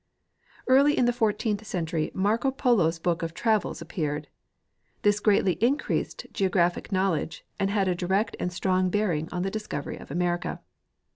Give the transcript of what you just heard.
Early in the fourteenth century Marco Polo's book of travels appeared. This greatly increased geographic knowledge and had a direct and strong bearing on the discovery of America.